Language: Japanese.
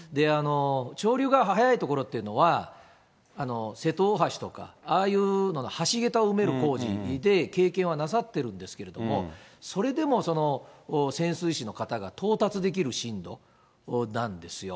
潮流が速い所っていうのは、瀬戸大橋とか、ああいうのが、橋げたを埋める工事で経験はなさってるんですけれども、それでも潜水士の方が到達できる深度なんですよ。